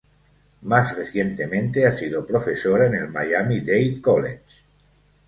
Más recientemente, ha sido profesora en el Miami Dade College.